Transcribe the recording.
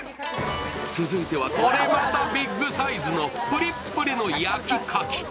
続いては、これまたビッグサイズのぷりっぷりの焼きカキ。